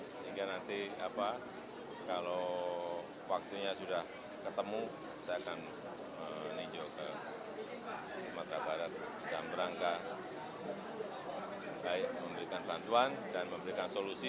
sehingga nanti kalau waktunya sudah ketemu saya akan meninjau ke sumatera barat dalam rangka baik memberikan bantuan dan memberikan solusi